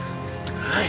はい！